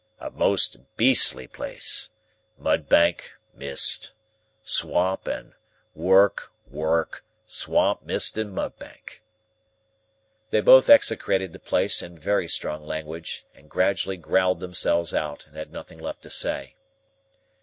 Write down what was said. "A most beastly place. Mudbank, mist, swamp, and work; work, swamp, mist, and mudbank." They both execrated the place in very strong language, and gradually growled themselves out, and had nothing left to say.